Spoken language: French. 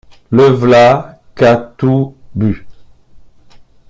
Le v’là qu’a tout bu!